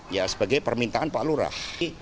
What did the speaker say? ya sebagai permintaan pak lurah